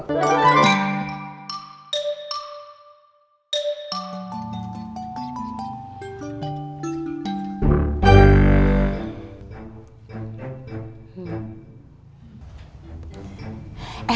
tuh lagi ngumpet